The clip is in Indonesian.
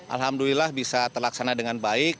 alhamdulillah bisa terlaksana dengan baik